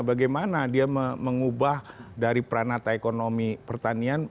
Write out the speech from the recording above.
bagaimana dia mengubah dari pranata ekonomi pertanian